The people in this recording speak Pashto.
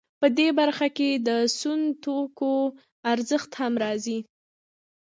په دې برخه کې د سون توکو ارزښت هم راځي